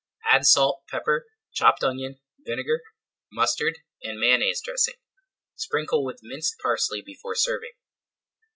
Add salt, pepper, chopped onion, vinegar, mustard and Mayonnaise dressing. Sprinkle with minced parsley before serving.